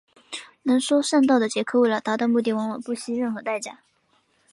能说善道的杰克为了达到目的往往不惜任何代价。